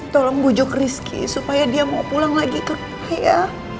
tolong bujuk rizky supaya dia mau pulang lagi ke rumah ya